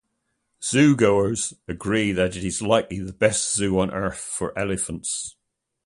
Zoogoers agree that it is likely the best zoo on Earth for elephants.